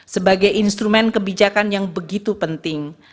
sebagai instrumen kebijakan yang begitu penting